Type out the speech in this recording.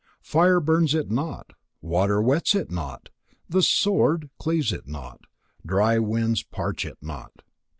Fire burns it not, water wets it not, the sword cleaves it not, dry winds parch it not.